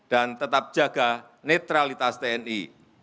dan tetap jaga netralitas tni